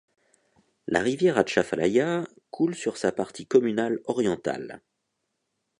La rivière Atchafalaya coule sur sa partie communale orientale.